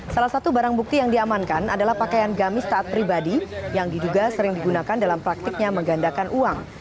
salah satu barang bukti yang diamankan adalah pakaian gamis taat pribadi yang diduga sering digunakan dalam praktiknya menggandakan uang